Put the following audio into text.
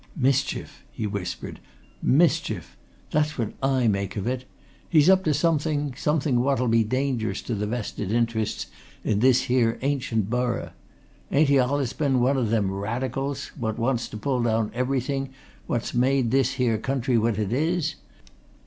"Mischief!" he whispered. "Mischief! That's what I make of it! He's up to something something what'll be dangerous to the vested interests in this here ancient borough. Ain't he allus been one o' them Radicals what wants to pull down everything that's made this here country what it is?